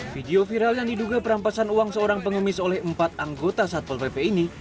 video viral yang diduga perampasan uang seorang pengemis oleh empat anggota satpol pp ini